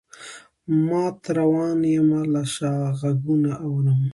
مات روان یمه له شا غــــــــږونه اورم